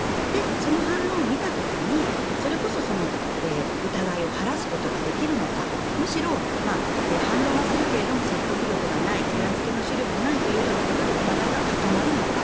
その反論を見た時にそれこそ疑いを晴らすことができるのかむしろ、反論はするけども説得力がない裏付けの資料もないということで疑いが固まるのか。